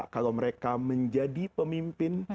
kalau mereka menjadi pemimpin